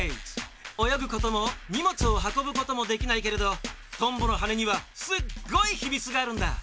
およぐこともにもつをはこぶこともできないけれどとんぼのはねにはすっごいひみつがあるんだ。